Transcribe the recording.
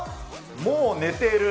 もう寝てる。